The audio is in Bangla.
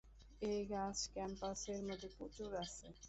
এই গাছ ক্যাম্পাসের মধ্যে প্রচুর আছে।